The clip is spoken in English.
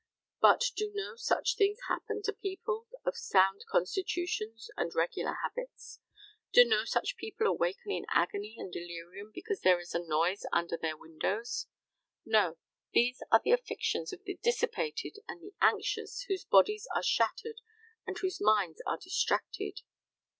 But do no such things happen to people of sound constitutions and regular habits? Do no such people awaken in agony and delirium because there is a noise under their windows? No, these are the afflictions of the dissipated and the anxious, whose bodies are shattered, and whose minds are distracted.